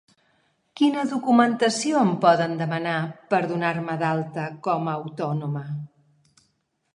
Quina documentació em poden demanar per donar-me d'alta com a autònoma?